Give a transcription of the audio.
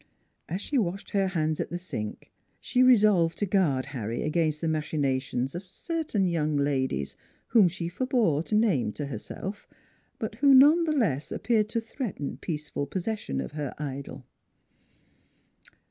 As she washed her hands at the sink she 94 NEIGHBORS resolved to guard Harry against the machinations of certain young ladies whom she forebore to name to herself; but who none the less appeared to threaten peaceful possession of her idol.